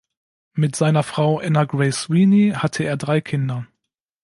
Mit seiner Frau Anna Gray Sweeney hatte er drei Kinder.